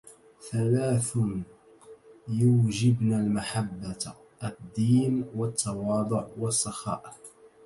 ثلاث يوجبن المحبّة: الدّين، والتّواضع، والسّخاء.